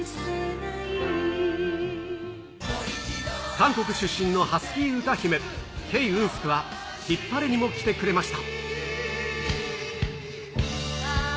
韓国出身のハスキー歌姫、桂銀淑はヒッパレにも来てくれました。